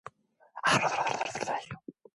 오빠는 왜 그렇게 말하죠?